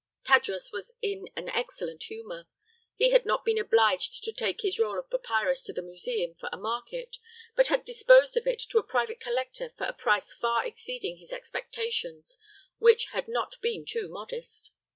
Tadros was in an excellent humor. He had not been obliged to take his roll of papyrus to the museum for a market, but had disposed of it to a private collector for a price far exceeding his expectations, which had not been too modest.